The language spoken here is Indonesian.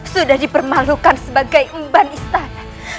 sudah dipermalukan sebagai umban istana